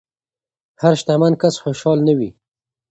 هر شتمن کس خوشحال نه وي.